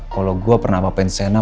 kalo gue pernah ngapain sena